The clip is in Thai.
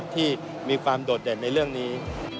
ที่มีความโดดเด่นในเรื่องนี้